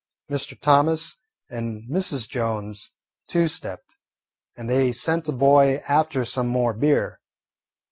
Mr. Thomas and Mrs. Jones two stepped, and they sent a boy after some more beer.